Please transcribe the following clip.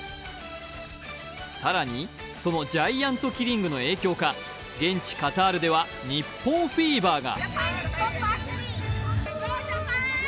更に、そのジャイアントキリングの影響か、現地カタールでは日本フィーバーが。